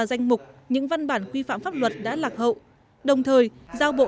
danh mục những văn bản quy phạm pháp luật đã lạc hậu đồng thời giao bộ